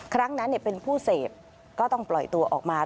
ครั้งนั้นเป็นผู้เสพก็ต้องปล่อยตัวออกมา